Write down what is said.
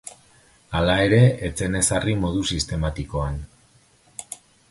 Hala ere ez zen ezarri modu sistematikoan.